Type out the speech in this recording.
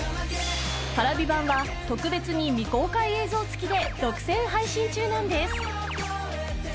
Ｐａｒａｖｉ版は特別に未公開映像付きで独占配信中なんです